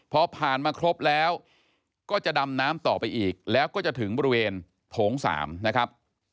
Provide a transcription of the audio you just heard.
พอผ่านมาครบแล้วก็จะดำน้ำต่อไปอีกแล้วก็จะถึงบริเวณโถง๓นะครับ